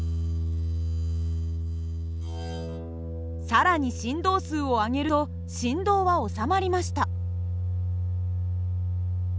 更に振動数を上げると振動は収まりました。